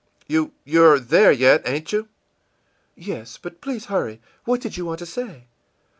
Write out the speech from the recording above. î ìYou you're there yet, ain't you?î ìYes; but please hurry. What did you want to say?